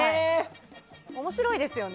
面白いですよね。